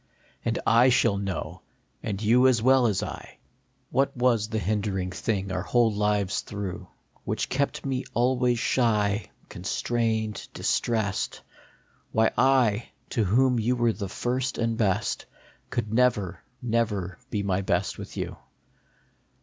And I shall know, and you as well as I, What was the hindering thing our whole lives through, Which kept me always shy, constrained, distressed ; Why I, to whom you were the first and best, Could never, never be my best with you ; HEREAFTER.